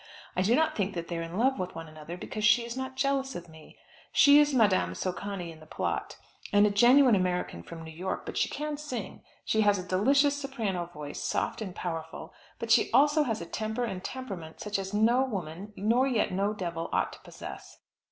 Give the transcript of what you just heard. I do not think that they're in love with one another, because she is not jealous of me. She is Madame Socani in the plot, and a genuine American from New York; but she can sing; she has a delicious soprano voice, soft and powerful; but she has also a temper and temperament such as no woman, nor yet no devil, ought to possess.